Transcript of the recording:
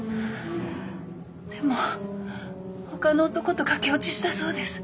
でもほかの男と駆け落ちしたそうです。